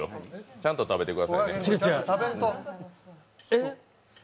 ちゃんと食べてください。